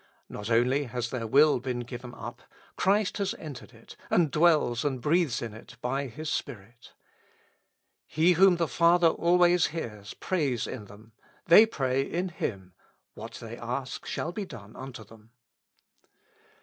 Not only has their will been given up ; Christ has entered it, and dwells and breathes in it by His Spirit. He whom the Father always hears prays in them; they pray in Him : what they ask shall be done unto them.